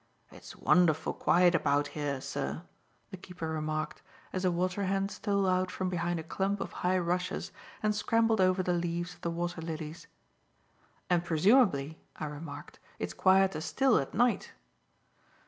"It's wonderful quiet about here, sir," the keeper remarked, as a water hen stole out from behind a clump of high rushes and scrambled over the leaves of the water lilies. "And presumably," I remarked, "it's quieter still at night."